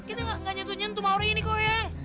kita gak nyentuh nyentuh mawar ini kok yang